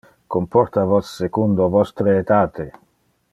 Comporta vos secundo vostre etate!